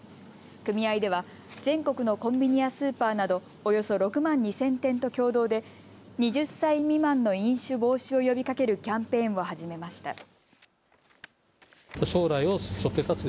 組合では全国のコンビニやスーパーなどおよそ６万２０００店と共同で２０歳未満の飲酒防止を呼びかけるキャンペーンを始めました。